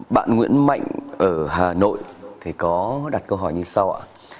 bạn nguyễn mạnh ở hà nội thì có đặt câu hỏi như sau ạ